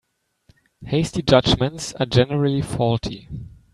Hasty judgements are generally faulty.